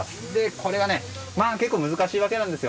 これが、まあ結構難しいわけなんですよ。